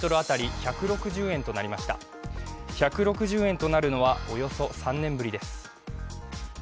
１６０円となるのは、およそ３年ぶりです。